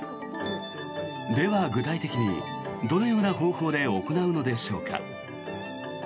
では、具体的にどのような方法で行うのでしょうか。